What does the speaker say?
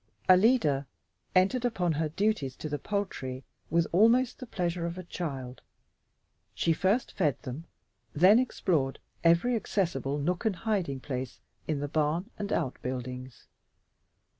Alida entered upon her duties to the poultry with almost the pleasure of a child. She first fed them, then explored every accessible nook and hiding place in the barn and outbuildings.